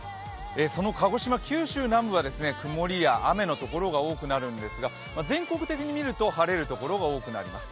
その鹿児島、九州南部は曇りや雨の所が多くなるんですが全国的に見ると晴れる所が多くなります。